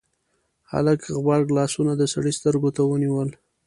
هلک غبرګ لاسونه د سړي سترګو ته ونيول: